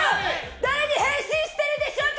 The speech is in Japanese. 誰に変身してるでしょうか